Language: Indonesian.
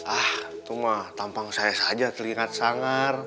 ah tuh mah tampang saya saja telingat sangar